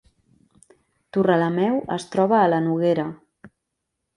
Torrelameu es troba a la Noguera